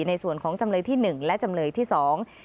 ในส่วนของจำเลยที่หนึ่งและจำเลยที่สอง